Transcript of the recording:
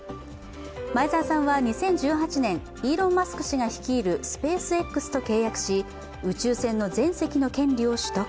前澤さんは２０１８年、イーロン・マスク氏が率いるスペースＸと契約し宇宙船の全席の権利を取得。